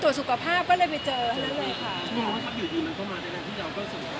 ตรวจสุขภาพหรอใช่ตรวจสุขภาพก็เลยไปเจอ